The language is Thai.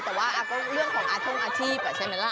แต่ว่าก็เรื่องของอาทงอาชีพใช่ไหมล่ะ